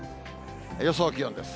予想気温です。